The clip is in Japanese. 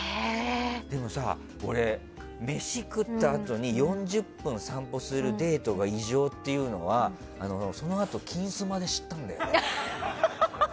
でもさ俺、飯食ったあとに４０分散歩するデートが異常っていうのは、そのあと「金スマ」で知ったんだよね。